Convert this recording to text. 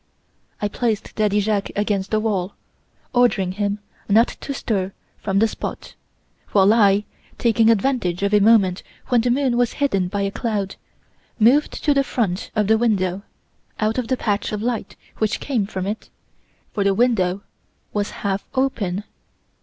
"I placed Daddy Jacques against the wall, ordering him not to stir from the spot, while I, taking advantage of a moment when the moon was hidden by a cloud, moved to the front of the window, out of the patch of light which came from it, for the window was half open!